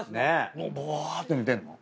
もうぼーって寝てんの？